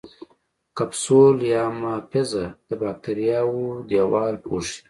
کپسول یا محفظه د باکتریاوو دیوال پوښي.